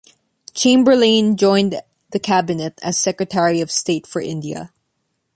Chamberlain joined the cabinet as Secretary of State for India.